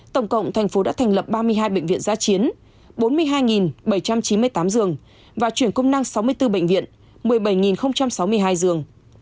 tổng cộng thành phố đã thành lập ba mươi hai bệnh viện giá chiến bốn mươi hai bảy trăm chín mươi tám giường và chuyển công năng sáu mươi bốn bệnh viện một mươi bảy sáu mươi hai giường